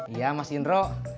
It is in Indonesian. iya mas indro